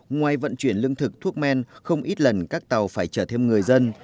ngoài vận chuyển lương thực thuốc men không ít lần các tàu phải chở thêm người dân